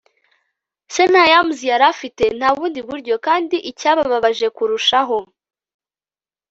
se nta yams yari afite, nta bundi buryo. kandi icyababaje kurushaho